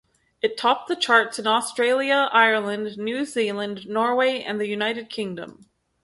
It topped the charts in Australia, Ireland, New Zealand, Norway, and the United Kingdom.